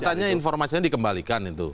katanya informasinya dikembalikan itu